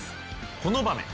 この場面。